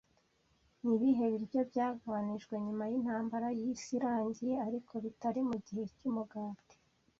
Nibihe biryo byagabanijwe nyuma ya intambara y'isi irangiye ariko bitari mugihe cyumugati